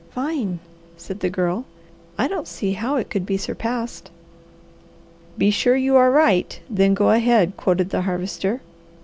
"Fine!" said the Girl. "I don't see how it could be surpassed." "'Be sure you are right, then go ahead,'" quoted the Harvester.